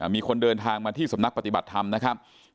มีคนเดินทางมาที่สำนักปฏิบัติธรรมนะครับ